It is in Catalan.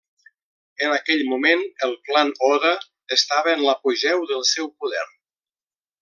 En aquell moment, el clan Oda estava en l'apogeu del seu poder.